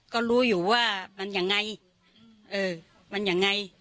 ก็รู้อยู่ว่ามันอย่างไร